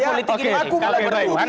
aku mulai bertuahan